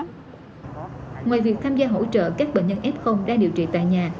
ngoài việc tham gia hỗ trợ các bệnh nhân f đang điều trị tại nhà